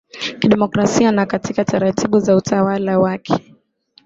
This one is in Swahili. kidemokrasia na katika taratibu za utawala waki